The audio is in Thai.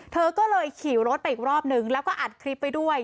เธอก็เลยขี่รถไปอีกรอบนึงแล้วก็อัดคลิปไว้ด้วย